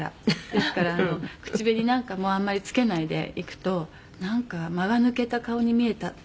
「ですから口紅なんかもあんまりつけないで行くと“なんか間が抜けた顔に見えた”と」